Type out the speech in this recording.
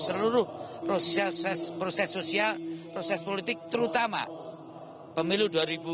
dan seluruh proses sosial proses politik terutama pemilu dua ribu dua puluh empat